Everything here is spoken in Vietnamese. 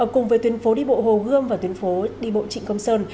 cùng với tuyến phố đi bộ hồ gươm và tuyến phố đi bộ trịnh công sơn